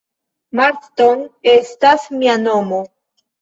Marston estas mia nomo.